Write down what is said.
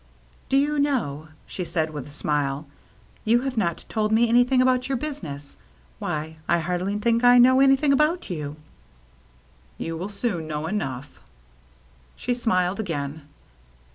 "Do you know," she said, with a smile, "you have not told me anything about your business ? Why, I hardly think I know any thing about you." " You will soon know enough." She smiled again.